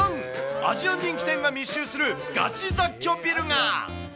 アジアン人気店が密集するガチ雑居ビルが。